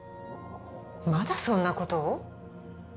まだそんなことを？